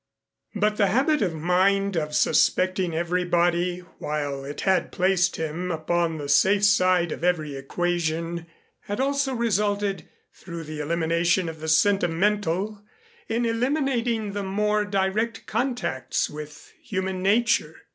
But the habit of mind of suspecting everybody, while it had placed him upon the safe side of every equation, had also resulted, through the elimination of the sentimental, in eliminating the more direct contacts with human nature.